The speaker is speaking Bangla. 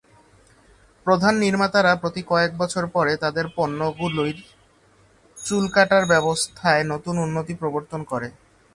প্রধান নির্মাতারা প্রতি কয়েক বছর পরে তাদের পণ্যগুলির চুল কাটার ব্যবস্থায় নতুন উন্নতি প্রবর্তন করে।